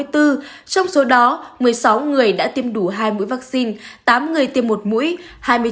trong số đó một mươi sáu người đã tiêm đủ hai mũi vaccine tám người tiêm một mũi